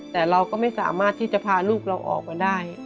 แต่เราก็ไม่สามารถที่จะพาลูกเราออกมาได้